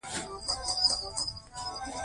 ټکر د بې احتیاطۍ پایله ده.